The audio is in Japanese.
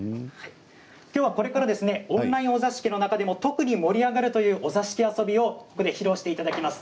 きょうはこれからオンラインお座敷の中でも特に盛り上がるというお座敷遊びを披露していただきます。